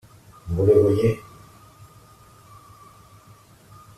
Vous le voyez!